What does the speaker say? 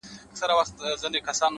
د ذهن رڼا د ژوند لار روښانوي.!